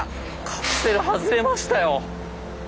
カプセル外れましたよ。